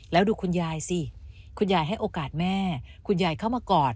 แล้วดูคุณยายสิคุณยายให้โอกาสแม่คุณยายเข้ามากอด